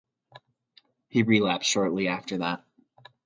He relapsed shortly after that.